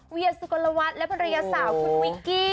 เวียสุกลวัฒน์และภรรยาสาวคุณวิกกี้